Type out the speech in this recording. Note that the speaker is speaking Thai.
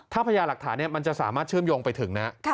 ถ้าพญาหลักฐานมันจะสามารถเชื่อมโยงไปถึงนะ